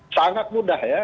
sangat mudah ya